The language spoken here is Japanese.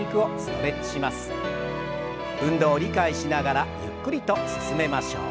運動を理解しながらゆっくりと進めましょう。